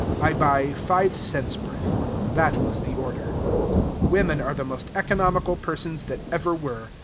I buy five cents worth. That was the order. Women are the most economical persons that ever were.